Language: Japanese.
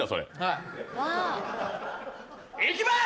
いきます。